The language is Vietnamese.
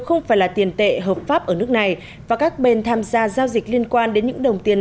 không phải là tiền tệ hợp pháp ở nước này và các bên tham gia giao dịch liên quan đến những đồng tiền